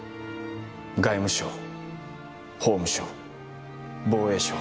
外務省法務省防衛省警察庁。